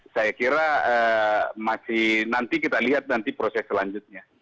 saya kira nanti kita lihat proses selanjutnya